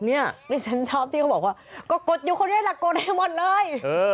นี่ฉันชอบที่เขาบอกว่าก็กดอยู่คนเดียวล่ะกดให้หมดเลย